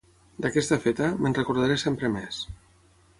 D'aquesta feta, me'n recordaré sempre més.